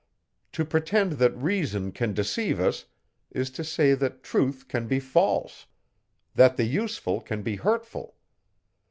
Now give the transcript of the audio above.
To pretend that reason can deceive us, is to say, that truth can be false; that the useful can be hurtful.